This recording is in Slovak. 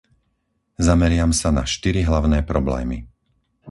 Zameriam sa na štyri hlavné problémy.